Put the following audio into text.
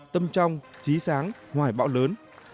tâm trong trí sáng hoài bão lớn